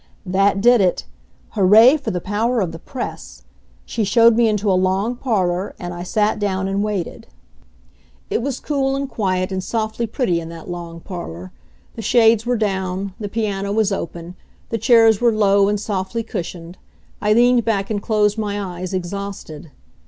That did it. Hooray for the power of the press! She showed me into a long parlor, and I sat down and waited. It was cool and quiet and softly pretty in that long parlor. The shades were down, the piano was open, the chairs were low and softly cushioned. I leaned back and closed my eyes, exhausted.